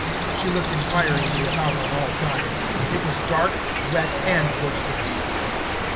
she looked inquiringly about on all sides... It was dark, wet, and boisterous.